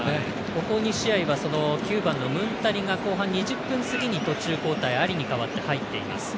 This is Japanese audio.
ここ２試合は９番のムンタリが後半２０分過ぎに途中交代アリに代わって入っています。